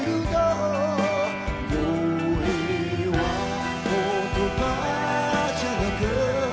「恋は言葉じゃなく」